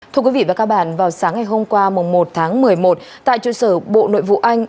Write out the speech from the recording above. thưa quý vị và các bạn vào sáng ngày hôm qua một tháng một mươi một tại trụ sở bộ nội vụ anh